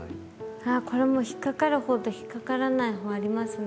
あこれも引っ掛かる方と引っ掛からない方ありますね。